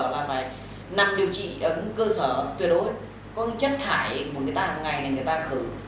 là phải nằm điều trị ở cơ sở tuyệt đối có chất thải người ta hằng ngày người ta khử